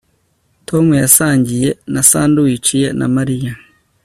Tom yasangiye na sandwich ye na Mariya